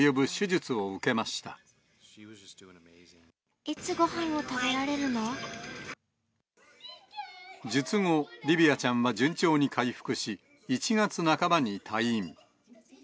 術後、リヴィアちゃんは順調に回復し、１月半ばに退院。